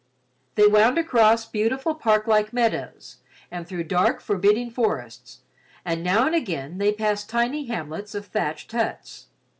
They wound across beautiful parklike meadows and through dark, forbidding forests, and now and again they passed tiny hamlets of thatched huts.